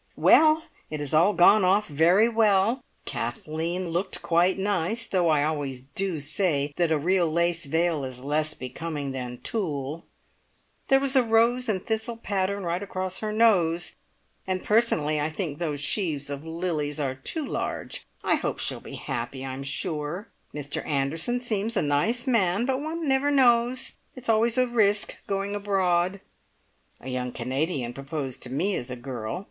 "Well, it has all gone off very well! Kathleen looked quite nice, though I always do say that a real lace veil is less becoming than tulle. There was a rose and thistle pattern right across her nose, and personally I think those sheaves of lilies are too large. I hope she'll be happy, I am sure! Mr Anderson seems a nice man; but one never knows. It's always a risk going abroad. A young Canadian proposed to me as a girl.